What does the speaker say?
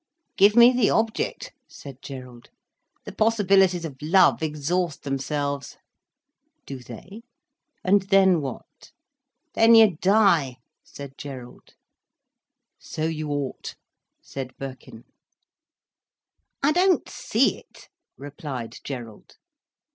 "Give me the object," said Gerald. "The possibilities of love exhaust themselves." "Do they? And then what?" "Then you die," said Gerald. "So you ought," said Birkin. "I don't see it," replied Gerald.